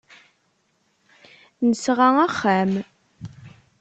Nesɣa axxam.